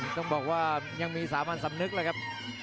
ต้องบอกว่ายังมีสามัญสำนึกเลยครับ